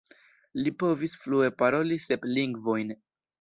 Li povis flue paroli sep lingvojn.